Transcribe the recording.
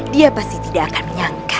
dia pasti tidak akan nyangka